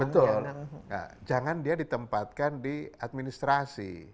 betul jangan dia ditempatkan di administrasi